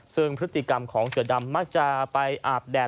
ซึ่งพฤติกรรมของเสือดำมักจะไปอาบแดด